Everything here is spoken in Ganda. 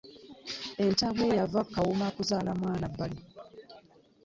Entabwe yava ku Kawuma kuzaala mwana bbali.